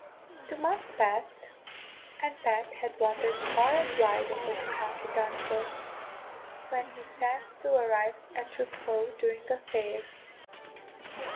Two months passed, and Pat had wandered far and wide over the county Donegal, when he chanced to arrive at Raphoe during a fair.